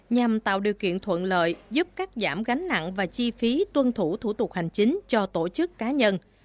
nhằm tạo điều kiện thuận lợi giúp cắt giảm gánh nặng và chi phí tuân thủ thủ tục hành chính cho tổ chức cá nhân